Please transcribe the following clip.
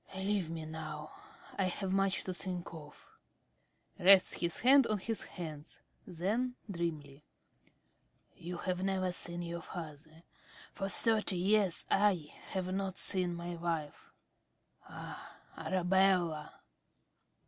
Leave me now. I have much to think of. (Rests his head on his hands. Then, dreamily.) You have never seen your father; for thirty years I have not seen my wife.... Ah, Arabella!